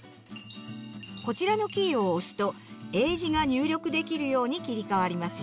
こちらのキーを押すと英字が入力できるように切り替わりますよ。